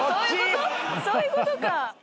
そういうことか。